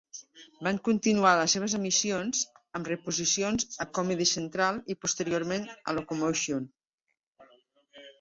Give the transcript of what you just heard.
Van continuar les seves emissions, amb reposicions a Comedy Central i posteriorment a Locomotion.